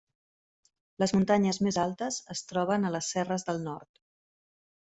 Les muntanyes més altes es troben a les serres del nord.